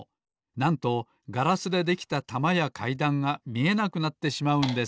なんとガラスでできたたまやかいだんがみえなくなってしまうんです。